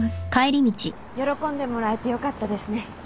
喜んでもらえてよかったですね。